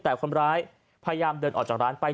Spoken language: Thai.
แต่คนร้ายพยายามเดินออกจากร้านไป